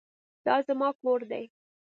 دا زما کور دی.